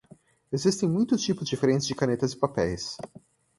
Existem muitos tipos diferentes de canetas e papéis.